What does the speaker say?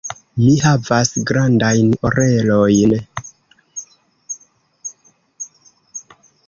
Mi havas grandajn orelojn.